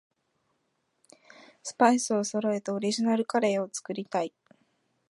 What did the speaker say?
スパイスそろえてオリジナルカレー作りたい